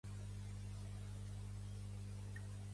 Lluc, Joan, Marc, Mateu, quatre evangelistes del bon Déu.